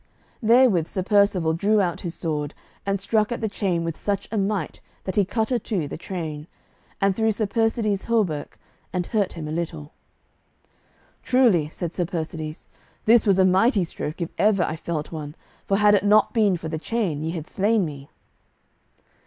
Therewith Sir Percivale drew out his sword, and struck at the chain with such a might that he cut a two the chain, and through Sir Persides' hauberk, and hurt him a little. "Truly," said Sir Persides, "that was a mighty stroke if ever I felt one, for had it not been for the chain, ye had slain me."